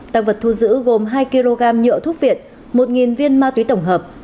tăng vật thu giữ gồm hai kg nhựa thuốc viện một viên ma túy tổng hợp